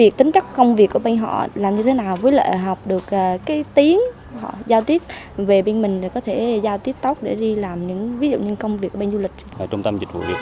thì các trung tâm việc làm đối tượng giả mạo lừa đảo xuất khẩu lao động